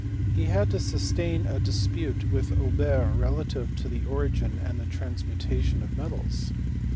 He had to sustain a dispute with Aubert relative to the origin smd the transmutation of metals.